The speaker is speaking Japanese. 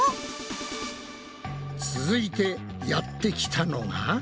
続いてやってきたのが。